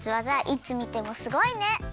いつみてもすごいね！